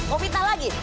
mau fitnah lagi